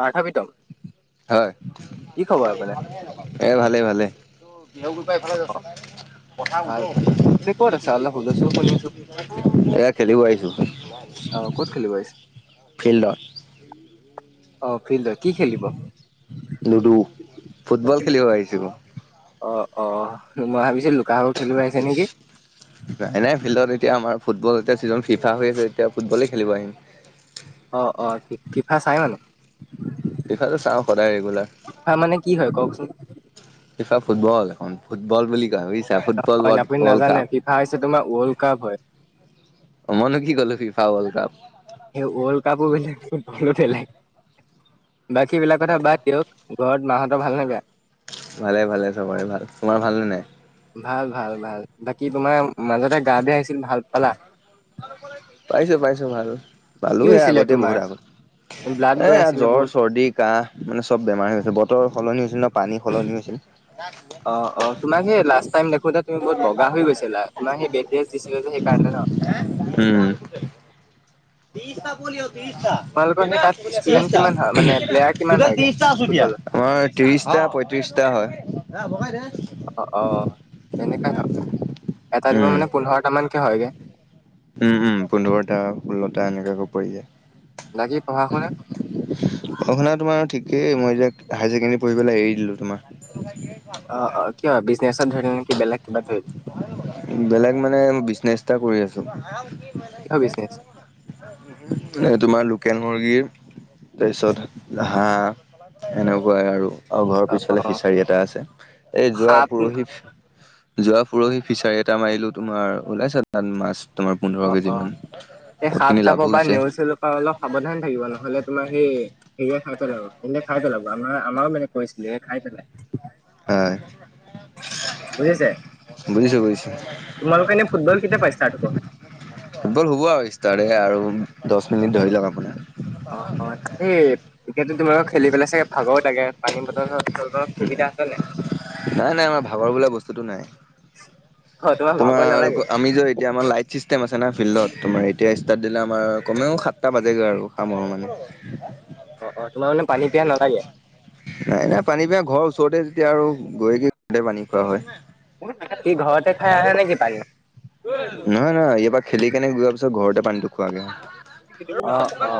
পাৰ্থ পিত্ৰম? হয়, এই ভালেই ভালেই। বিহগুৰি পা এইফালে যা চোন। পৰা ভাল উদং, আপুনি ক'ত আছে অলপ হুলস্থুল শুনি আছো এইয়া খেলিব আহিছোঁ। অ', ক'ত খেলিব আহিছা? ফিল্ডত। অ', ফিল্ডত। কি খেলিব? লুডু, ফুটবল খেলিব আহিছো। অ', অ', মই ভাবিছিলো লুকা ভাকু খেলিব আহিছ নেকি! নাই নাই, ফিল্ডত এতিয়া আমাৰ ফুটল এতিয়া চিজন ফিফা হৈ আছে, এতিয়া ফুটবলেই খেলিব আহিম। অ', অ', ফিফা চাই মানে? ফিফাটো চাওঁ সদায় ৰেগুলাৰ। ফিফা মানে কি হয় কওকচোন? ফিফা ফুটবল এখন, ফুটবল বুলি কয় ভাবিছা, ফুটবল হয় ৱৰ্ড আপুনি ৱৰ্ল্ড নাজানে কাপ। ফিফা হৈছে তোমাৰ ৱৰ্ল্ড কাপ হয়। অ', মইনো কি ক'লো ফিফা ৱৰ্ল্ড কাপ। সেই ৱৰ্ল্ড কাপো বেলেগ ফুটবলো বেলেগ। বাকীবিলাক কথা বাদ দিয়ক, ঘৰত মাহঁতৰ ভাল নে বেয়া। ভালেই ভালেই, চবৰে ভাল। তোমাৰ ভালনে নাই? ভাল ভাল ভাল, বাকী তোমাৰ মাজতে গা বেয়া হৈছিল ভাল পালা। পাইছো পাইছো ভাল। পালো কি সেই হৈছিলে আগতেই তোমাৰ? বহুত আগতেই, ব্লাড এ গৈ এইয়া আছিলে জ্বৰ বহুত চৰ্দি। কাঁহ মানে চব বেমাৰ হৈ গছিল বতৰ সলনি হৈছিল ন পানী সলনি হৈছিল। অ অ তোমাক সেই লাষ্ট টাইম দেখোতে তুমি বহুত বগা হৈ গৈছিলা তোমাৰ সেই ব্ৰেক ড্ৰেছ দিছিলে যে সেইকাৰণে ন? উম। বিছটা পোৱালি হল ত্ৰিশটা তোমালোকৰ সেই কেইটা তাত ষ্টুডেন্ট ত্ৰিশটা কিমান হয় মানে টোটেল প্লেয়াৰ কেইটা কিমান টোটেল হয়গে ত্ৰিশটা আছো এতিয়া। ফুটবলৰ? আমাৰ ত্ৰিশটা পয়ত্ৰিশটা হয়। অ অ তেনেকাই হয় মানে এটা দিমত উম মানে পোন্ধৰটা মানকে হয়গে। উম উম পোন্ধৰটা ষোল্লটা এনেকাকো পৰি যায়। বাকী পঢ়া শুনা? পঢ়া শুনা তোমাৰ ঠিকেই মই যে হায়াৰ ছেকেণ্ডৰী পঢ়িবলে এৰি দিলো তোমাৰ অ অ কিয় বিজনেছত ধৰিলে নেকি বেলেগ কিবা ধৰিলে? বেলেগ মানে বিজনেছ এটা কৰি আছো। কিহ বিজনেছ এ তোমাৰ লোকেল মুৰ্গীৰ তাৰপিছত ঘাঁহ এনেকোৱাই আৰু অ ঘৰৰ পিছফালে ফিচাৰী এটা আছে এই যোৱা সাপ পৰহি যোৱা পৰহি ফিচাৰী এটা মাৰিলো তোমাৰ ওলাইছে তাত মাছ তোমাৰ পোন্ধৰ অ', কেজি মান অ', এই বহুত সাপ খিনি লাভো চাপৰ বা হৈছে নেওল চেওলৰ পৰা অলপ সাৱধান থাকিব নহলে তোমাৰ সেই সেয়ে খাই পেলাব এনে খাই পেলাব আমাৰ আমাৰো মানে কৰিছিলে খাই পেলাই। হয়, বহি আছে। বুজিছো বুজিছো। তোমালোকৰ এনে ফুটবল কেতিয়াৰ পৰা ষ্টাৰ্ট হ'ব ফুটবল হব আৰু ষ্টাৰ্ট আৰু দহ মিনিট ধৰি লওক আপোনাৰ অ অ তাতে এতিয়াতো তোমালোকৰ খেলি পেলাই চাগে ভাগৰ লাগে পানী বটল সুবিধা আছে নাই। নাই নাই আমাৰ ভাগৰ বোলা বস্তুটো নাই অ তোমাৰ ভাগৰ আৰু নালাগে কোৱা এতিয়া আমাৰ লাইট ফিছ আছে না ফিল্ডত তোমাৰ এতিয়া ষ্টাৰ্ট দিলে আমাৰ কমেও সাতটা বাজেগৈ আৰু কামৰ মানে। অ অ তোমাৰ মানে পানী পিয়া নালাগে। নাই নাই পানী পা ঘৰৰ ওচৰতে যেতিয়া আৰু গৈ কি ঘৰতে পানী খোৱা হয়। সি ঘৰতে খাই আহে নেকি পানী? নহয় নহয় ই এবাৰ খেলি কেনে যোৱাৰ পিছত ঘৰতে পানীটো খোৱাগে হয়। অ অ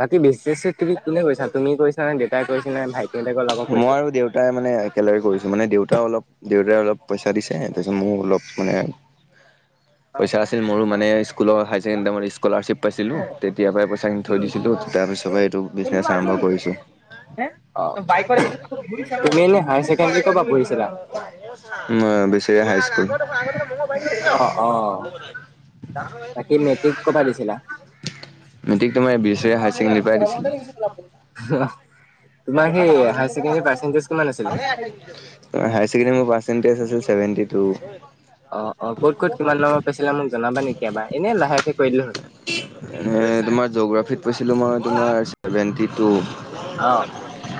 বাকী বিশ কোনে কৰিছা তুমি কৰিছা নে দেউতাই কৰিছে নে ভাই মই আৰু দেউতাই মানে। একেলগে কৰিছোঁ মানে দেউতাও অলপ দেউতাই অলপ পইচা দিছে তাৰপিছত মোৰ অলপ মানে পইচা আছিলে মোৰো মানে স্কুলৰ হায় ছেকেণ্ডৰী টাইমত স্কলাৰশ্বিপ পাইছিলোঁ তেতিয়া পাই পইছা খিনি থৈ দিছিলোঁ তাৰপিছ পৰাই এইটো বিজনেছ আৰম্ভ কৰিছোঁ। তুমি ইনেই হাই চেকেণ্ডেৰী কৰ পৰা পঢ়িছিলা? উ বেছি হাই স্কুল। অ অ বাকী মেট্ৰিক কৰ পৰা দিছিলা? মেট্ৰিক তোমাৰ বেচেৰীয়া হায়াৰ ঘৰত ছেকেণ্ডেৰী পৰাই আ দিছিলোঁ। নছিলে। [unintelligible] তোমাৰ কি হাই চেকেণ্ডেৰী পাৰ্চেন্টিছ কিমান আছিলে? হাই চেকেণ্ডেৰী মোৰ পাৰ্চেন্টিছ আছিল ছেভেনটি টু অ অ ক'ত ক'ত কিমান নম্বৰ পাইছিলে মোক জনাব নেকি এবাৰ এনেই লাহেকে কৈ দিলে হ'ল। এ তোমাৰ জগ্ৰাফিত পাইছিলো মই তোমাৰ ছেভেনটি টু অহ।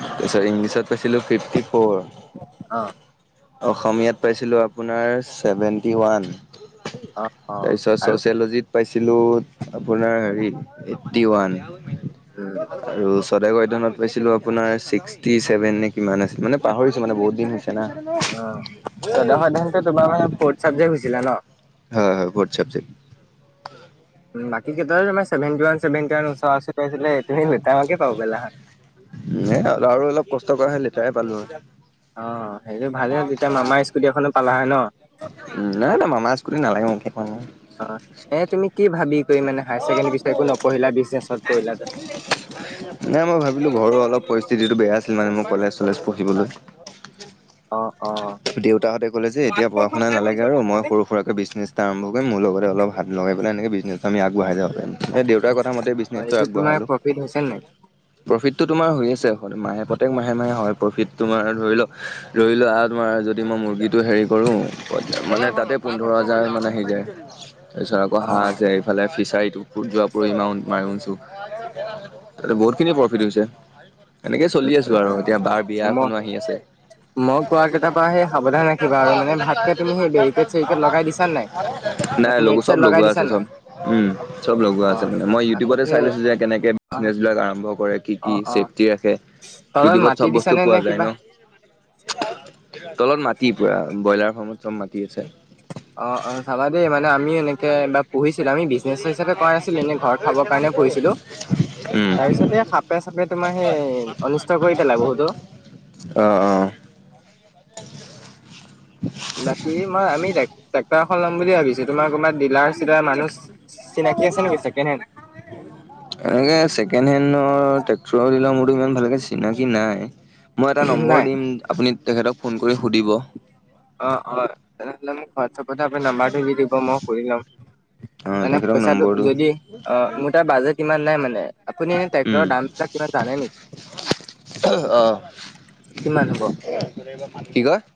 তাৰপিছত ইংলিছত পাইছিলো ফিফটি ফৰ। অ অসমীয়াত পাইছিলোঁ আপোনাৰ চেভেণ্টি ওৱান। অ অ তাৰপিছত আৰু চচিয়লজিত? পাইছিলোঁ, আপোনাৰ হেৰি এইট্টি ওৱান উম, আৰু চদ ধনত পাইছিলো আপোনাৰ ছিক্সটি চভেন। কিমান আছিল? মানে পাহৰিছো মানে বহুত দিন হৈছে না। হয় স্বদেশ অধ্যায়ন তোমাৰ মানে ফ'ৰ্ট চাবজেক্ট হৈছিলে ন? হয় হয়, ফ'ৰ্ট চাবজেক্ট। বাকী কেইটা তোমাৰ ছেভেনটি ওৱান ছেভেনটি ওৱান ওচৰা ওচৰি পাইছিলে এইটো সেই লেটাৰ মাৰ্কে পাব এ আৰু অলপ কষ্ট কৰাহে লেতাৰে পালো আৰু। অ সেইটো ভালেই, তেতিয়া মামাৰ স্কুটি এখনো পালা হয়ে ন। নাই নাই মামাৰ স্কুতি নালাগে মোক। অ, এ তুমি কি ভাবি কৰি মানে হায়াৰ ছেকেণ্ডাৰী দিছা? একো নপঢ়িলা বিজনেছত কৰিলা যে? ে [unintelligible] নাই মই ভাবিলো ঘৰৰ অলপ পৰিস্থিতিটো বেয়া আছিল মানে মোৰ কলেজ' চলেজ পঢ়িবলৈ। অ অ, দেউতাহঁতে ক'লে যে এতিয়া পঢ় শুনা দেউতা হঁতে কলে যে এতিয়া বয়স নাই আৰু মই সৰু-সুৰাকে বিজনেছ এটা আৰম্ভ কৰিম, মোৰ লগতে অলপ হাত লগাই পেলাই এনেকে বি আমি আগবঢ়াই যাব পাৰিম, দেউতাৰ কথা মতেই অ বিজনেছটো এইটো আগবঢ়াই প্ৰফিট হৈছে নাই? প্ৰফিটটো তোমাৰ হৈ আছে, মাহে প্ৰত্যেক মাহে মাহে হয়। প্ৰফিট তোমাৰ ধৰি লওক ধৰি লোৱা তোমাৰ যদি মই মুৰ্গীটো হেৰি কৰোঁ মানে তাতে পোন্ধৰ হাজাৰ মানে আহি যায়। তাৰপিছত আকৌ অ হাঁহ আছে, এইফালে ফিছাৰীটো ফুত যোৱাব ইমান মাৰি উছোঁ। তাতে বহুত খিনি প্ৰফিট হৈছে, এনেকে চলি আছো আৰু এতিয়া বাৰ বিয়া উম মই এখনো আহি আছে। মই কোৱা কেইটাৰ পৰা সেই সাৱধান ৰাখিবা আৰু মানে ভাতকে তুমি সেই বেৰিকেট- চেৰিকেট লগাই দিছা নে নাই? নাই লগু নেট চব চেট লগাই লগোৱা দিছা আছে নাই চব উম, চব লগোৱা অ আছে মানে। মই আকৌ ইউটিউবতে সেই চাই লৈছো যে কেনেকে অ বিজনেচ বিলাক আৰম্ভ কৰে, কি কি অ', অ', চছেফটি ৰাখে? তলত ইউটিউবত মাটি চব বস্তু দিছানে নে পোৱা যায় কিবা? ন? তলত মাটি পুৰা, ব্ৰইলাৰ ফাৰ্মত চব মাটি আছে। অ অ, চাবা দেই মানে আমি এনেকে বাৰ পুহিছিলো, আমি বিজনেছ হিচাপে কৰা নাছিলো, এনে ঘৰত খাবৰ কাৰণে পুহিছিলো, উম তাৰ পিছতে সাপে- চাপে তোমাৰ সেই অনিষ্ট কৰি পেলাই বহুতো। অ অ, উ [unintelligible] বাকী মই আমি [unintelligible] খন লম বুলি ভাবিছিলোঁ। তোমাৰ ক'ৰবাত ডিলাৰ - চিলাৰ মানুহ চিনাকি আছে নেকি ছেকেণ্ডহেন? এনেকে ছেকেণ্ড হেনৰ টেক্টৰৰ দিলাৰ মোৰোটো ইমান ভালকে চিনাকি নাই। মই এটা নম্বৰ নাই দিম, আপুনি তেখেতক ফোন কৰি সুধিব। অ অ, তেনেহলে মোক হোৱাটছআপতে আপোনি নাম্বাৰটো দি দিব, মই সুধি লম। মানে তেখেতক পইচাটো নম্বৰটো যদি অ মোৰ তাত বাজেট ইমান নাই মানে। আপুনি এনে ট্ৰেক্টৰৰ দামবিলাক কিমান জানে নেকি? [unintelligible] আহঁ, কিমান হ'ব? [unintelligible] কি কয়? [unintelligible]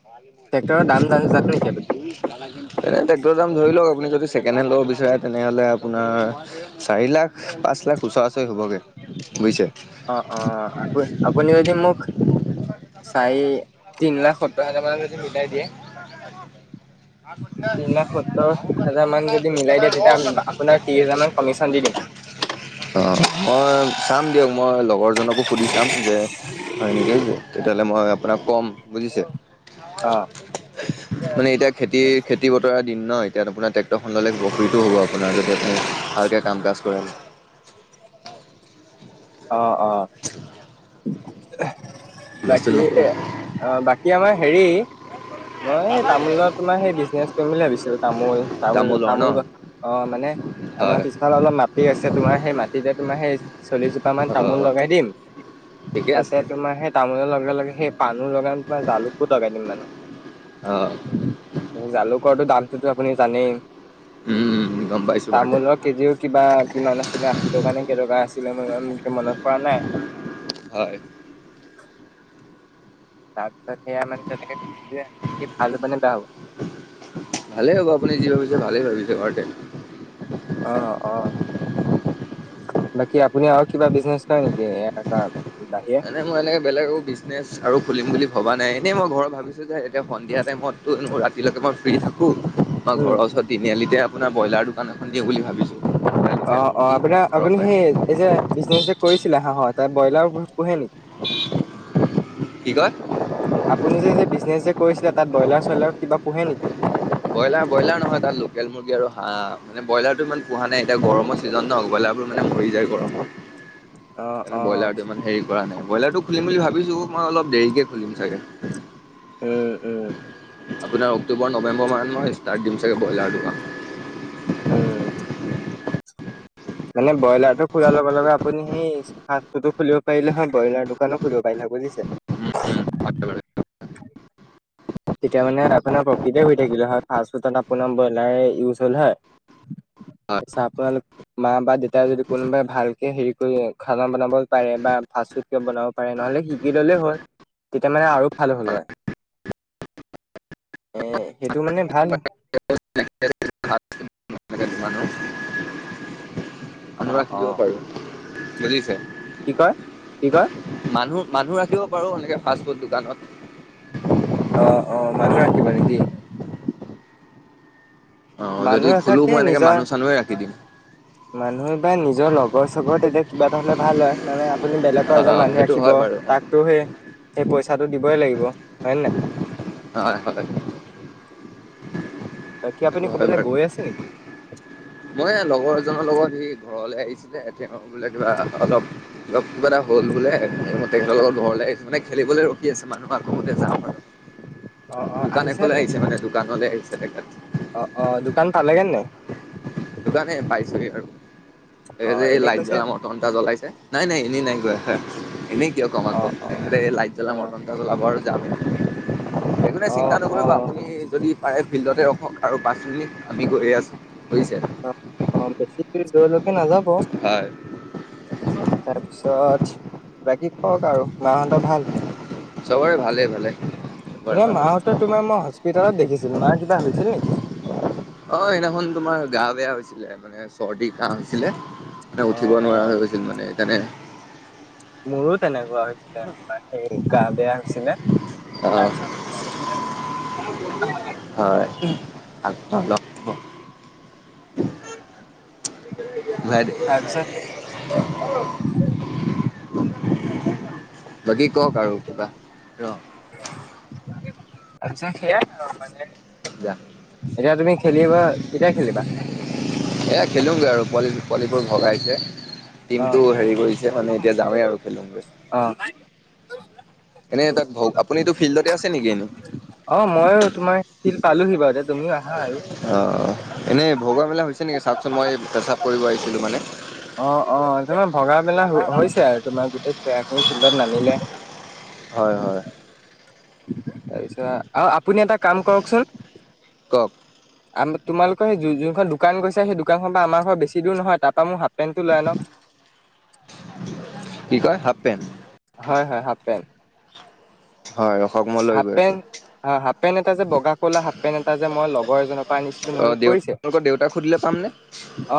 ট্ৰেক্টৰৰ দাম জানে নেকি আপুনি? এনেই ট্ৰেক্টৰৰ দাম ধৰি লওঁক, আপুনি যদি ছেকেণ্ড হেণ্ড ল'ব বিচাৰে তেনেহলে আপোনাৰ চাৰি লাখ পাঁচ লাখ ওচৰা-ওচৰি হ'বগে বুইছে। অ অ অ, আ আপুনি যদি মোক চাৰি তিন লাখ তিনলাখ সত্তৰ হাজাৰ মান মানৰ লৈকে মিলাই দিয়ে। তিন লাখ সত্তৰ হাজাৰ মান যদি মিলাই দিয়ে তেতিয়া আমি আপোনাক ত্ৰিশ হাজাৰ মান কমিশন দি দিম। [inaudible] [unintelligible] অঁ, মই চাম দিয়ক মই লগৰজনকো সুধি চাম, যে হয় নেকি? তেতিয়াহ'লে মই আপোনাক কম বুজিছে। অ', [unintelligible] মানে এতিয়া খেতি খেতি বতৰা দিন ন এতিয়া আপোনাৰ টেক টৰ খন ললে প্ৰফটো হ'ব আপোনাৰ, যদি আপুনি ভালকে কাম কাজ কৰে। অ', অ' [inaudible] হুলস্থুল বাকী নকৰে অ' বাকী আমাৰ হেৰি মই এই তামোলৰ তোমাৰ সেই বিজনেছ কৰিম বুলি ভাবিছোঁ, তামোল তামোল দামো লয় ন। তামোল গড অ' মানে আমাৰ হয় পিছফালে অলপ মাটি আছে তোমাৰ সেই মাটিতে তোমাৰ সেই চলিছ পা মান তামোল অ' লগাই দিম, ঠিকে তাতে আছে তোমাৰ সেই তামোলৰ লগে লগে সেই পাণো লগাম তোমাৰ জালুকো লগাই দিম মানে। অ' জালুকৰটো দামটোতো আপুনি জানেই। উম'। [unintelligible] বাৰু দে তামোলৰ কেজিও কিবা কিমান আছিলে আশী টকা নে কেইটকা আছিলে মোৰ ই [inaudible] মনত পৰা নাই। [unintelligible] হয়। তাৰপিছত সেয়া মানে তেনেকে [inaudible] ভাল মানে [inaudible] ভালে হ'ব আপুনি যি ভাবিছে ভালেই ভাবিছে বাৰুতে। অ', অ' বাকী আপুনি আৰু কিবা বিজনেচ কৰে নেকি এনেকুৱা বাহিৰে? মানে মই এনেকে বেলেগো বিজনেছ আৰু খুলিম বুলি ভাবা নাই এনেই মই ঘৰত ভাবিছোঁ যে এতিয়া সন্ধিয়া টাইমত ত' [unintelligible] ৰাতিলৈকে মই ফ্ৰী থাকো। মই উম, ঘৰৰ ওচৰ তিনিআলিতে আপোনাৰ ব্ৰইলাৰ দুকান এখন দিওঁ বুলি ভাবিছো। অ', অ' আপোনাৰ আপুনি সেই এই যে বিজনেচ যে কৰিছিলে হাঁহৰ তাই ব্ৰলাৰ পোহে নেকি? [unintelligible] কি কয়? আপুনি যে যে বিজনেছ যে কৰিছিলে তাত ব্ৰইলাৰ চয়লাৰ কিবা পোহে নেকি? ব্ৰইলাৰ ব্ৰইলাৰ নহয়, তাত লোকেল মুৰ্গী আৰু হাঁ মানে ব্ৰইলাৰটো ইমান পোহা নাই এতিয়া গৰমত সিজন ন ব্ৰইলাৰবোৰ মানে মৰি যায় গৰমত। [unintelligible] অ', [inaudible] অ', ব্ৰইলাৰটো ইমান হেৰি কৰা নাই ব্ৰইলাৰটো খুলিম বুলি ভাবিছো মই অলপ দেৰিকে খুলিম চাগে। [unintelligible] আপোনাৰ, অক্টোবৰ-নৱেম্বৰ মাহত মই, ষ্টাৰ্ট দিম চাগে, ব্ৰইলাৰ দোকান। উম! মানে, ব্ৰইলাৰটো খোলাৰ লগে-লগে আপনি সেই ফাষ্ট-ফুডো খুলিব পাৰিলে হয়, ব্ৰইলাৰ দোকানো খুলিব পাৰিলে হয়, বুজিছে। তেতিয়া মানে, আপোনাৰ প্ৰফিতে হৈ থাকিলে হয়, ফাষ্ট-ফুডত আপোনাৰ, ব্ৰইলাৰ ইউজ হ'ল হয়। [unintelligible] মা বা দেতাই যদি, কোনোবাই ভালকে হেৰি কৰি, খানা বনাব পাৰে বা ফাষ্ট-ফুড বনাব পাৰে, নহ'লে শিকি ল'লেই হ'ল। তেতিয়া মানে আৰু ভাল হ'ল হয়। এ, সেইটো মানে, ভাল হয়। [unintelligible] মনুহ ৰাখি দিব অ অ পাৰোঁ, বুজিছে। কি কয়, কি কয়? মানুহ, মানুহ ৰাখিব পাৰোঁ, সেনেকে ফাষ্ট-ফুড দোকানত। অ' অ'! মানুহ ৰাখিবা নেকি? অ'! যদি মানুহ খোলো, ৰখাতকে মই এনেকে মানুহ-চানুহে ৰাখি দিম। মানুহে বা নিজৰ লগৰ-চগৰ, তেতিয়া কিবা এটা হ'লে, ভাল হয়। মানে আপুনি অ বেলেগৰ এজন মানুহ সেইটো ৰাখিব, হয় বাৰু অ তাকতো সেই, সেই পইচাটো দিবই লাগিব, হয় নহয়? হয়, হয়। বাকী, আপুনি সেইটো হয় ক'ৰবালে বাৰু গৈ আছে নেকি? মই লগৰ এজনৰ লগত, সি ঘৰলৈ আহিছিলে, এ, বোলে কিবা অলপ কিবা এটা হ'ল বোলে, তেখেতৰ লগত ঘৰলে, আহিছোঁ। মানে, খেলিবলৈ ৰখি আছে, মানুহ আকৌ মানে, যাওঁ মানে। অ অ দোকান এখনলে নে নাই আহিছে মানে, দোকানলৈ আহিছে তেখেত। অ' অ'! দোকান পালেগে নাই? সেইটো কাৰণে, পাইছোগে আৰু। এই অ যে, এই এনে লাইট কৈছে জ্বলা ঘণ্টা জ্বলাইছে। নাই, নাই, এনেই নাই কোৱা, এনেই কিয় কম অ আকৌ! অ অ [unintelligible] জ্বলাব আৰু যাম। একো নাই, অ চিন্তা নকৰিব? আপুনি যদি পাৰে, ফিল্ডতে ৰখক আৰু পাঁচ মিনিট, আমি গৈ আছোঁ, বুজিছে। অ' অ'! বেছি দেৰি দূৰলৈকে নাযাব। হয়! তাৰপিছত, বাকী কওঁক আৰু মাহঁতৰ ভাল? চবৰে ভালে, ভালে। চবৰে তোমাৰ ভাল আছে মাহঁতৰ তোমাৰ, মই হস্পিতালত দেখিছিলোঁ! মা কিবা হৈছিল নেকি? অ'! সেইদিনাখন তোমাৰ, গা বেয়া হৈছিলে। মানে, চৰ্দি-কাহ হৈছিলে। মানে, অ উঠিব অ নোৱাৰা হৈ গৈছিল মানে, সেইকাৰণে। মোৰো তেনেকুৱা হৈছিলে, তোমাৰ সেই, গা বেয়া হৈছিলে। আহ তাৰপিছত, [unintelligible] হয়! আকৌ অলপ তাৰপিছত [unintelligible] বাকী কওঁক আৰু কিবা? ৰ'। আচ্ছা, সেয়াই মানে। যা এতিয়া, তুমি খেলিবা, কেতিয়া খেলিবা? এয়া, খেলোগে আৰু। পোৱালি, পোৱালিবোৰ ভগাইছে, অ টিমটো হেৰি কৰি কৰিছে মানে। এতিয়া যাওঁৱে আৰু‌ খেলোগে। অ'! এনে তাক ভওক আপুনি এতিয়া ফিল্ডতে আছে নেকি এনেও অ মইও তোমাৰ ফিল্ড পালোহি বাৰু তুমিও আহা আৰু অঁঁ এনেই ভগুৱাৰ্মেলা হৈছে নেকি চাওকচোন মই পেচাপ কৰিব আহিছিলোঁ মানে অ অ তোমাৰ ভগা মেলা হৈছে আৰু তোমাৰ গোটেই প্লেয়াৰ খিনি ফিল্ডত নামিলে হয় হয় অ আপুনি এটা কাম কৰকচোন কক আ তোমালোকৰ যোনখন দোকান গৈছে সেই দোকানখনৰ পৰা আমাৰ ঘৰৰ বেছি দূৰ নহয় তাৰ পৰা মোৰ হাফ পেন্টটো লৈ আনক কি কয় হাফ পেন্ট হয় হয় হাফ পেণ্ট হয় ৰখক মই লৈ হাফ গৈ আছোঁ পেণ্ট হাফ পেণ্ট এটা যে বগা কলা হাফ পেন্ট এটা যে মই লগৰ এজনৰ পৰা আনিছিলো অ মনত দেউ পৰিছে তেওঁলোকৰ দেউতাক সুধিলে পামনে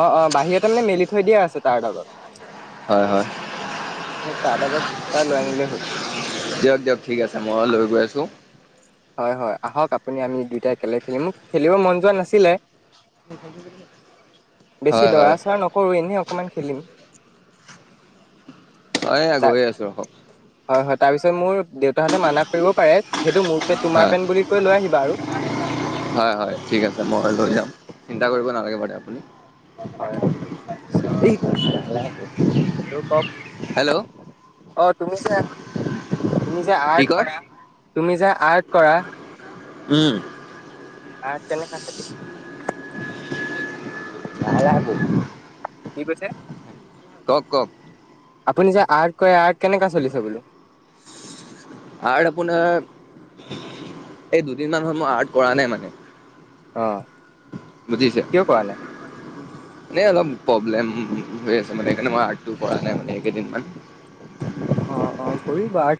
অ অ বাহিৰতে মানে মেলি থৈ দিয়া আছে তাৰ ডালত হয় হয় সেই তাৰ ডালত তাই লৈ আনিলেই হ'ল দিয়ক দিয়ক ঠিক আছে মই লৈ গৈ আছোঁ হয় হয় আহক আপুনি আমি দুইটাই একেলগে খেলিম খেলিব মন যোৱা নাছিলে বেছি হয় হয় দৰা চৰা নকৰো এনেই অকমান খেলিম অ এইয়া গৈ আছো ৰখক হয় হয় তাৰ পিছত মোৰ দেউতাহঁতে মানা কৰিব পাৰে সেইটো মোৰ পেন্ট তোমাৰ হয় পেণ্ট বুলি কৈ লৈ আহিবা আৰু হয় হয় ঠিক আছে মই লৈ যাম চিন্তা কৰিব নালাগে বাৰু আপুনি হয় পিছত আৰু কওক হেল্ল' অ তুমি যে তুমি যে কি আৰ্ট কয়? কৰা তুমি যে আৰ্ট কৰা উম অ তেনে খাই চালি লাহে লাহে কি কৈছে কওক কওক আপুনি যে আৰ্ট কৰে আৰ্ট কেনেকা চলিছে বোলোঁ আৰ্ট আপোনাৰ এই দুদিনমান হল মই আৰ্ট কৰা নাই মানে অ বুজিছে কিয় কৰা নাই? মানে অলপ প্ৰব্লেম হৈ আছে মানে সেইকাৰণে মই আৰ্টটো কৰা নাই মানে এইকেইদিন ইমান অ অ কৰিবা আৰ্ট